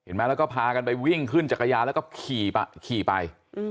แล้วก็พากันไปวิ่งขึ้นจักรยานแล้วก็ขี่ไป